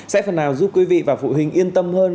sẽ phần nào giúp quý vị và phụ huynh yên tâm hơn